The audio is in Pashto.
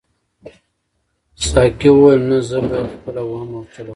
ساقي وویل نه زه به یې خپله وهم او چلاوم.